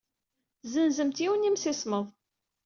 Tessenzemt yiwen n yemsismeḍ.